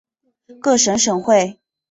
各省省会。